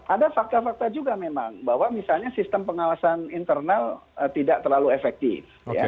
ada fakta fakta juga memang bahwa misalnya sistem pengawasan internal tidak terlalu efektif